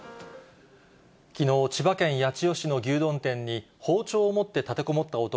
きのう、千葉県八千代市の牛丼店に、包丁を持って立てこもった男。